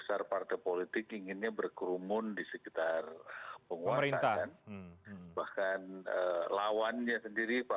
saya ingin menggarisbawahi